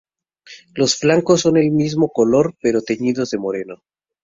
Los flancos son del mismo color pero teñidos de moreno.